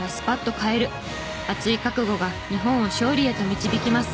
熱い覚悟が日本を勝利へと導きます。